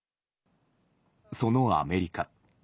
そのアメリカ。